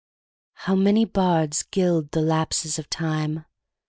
HOW many bards gild the lapses of time!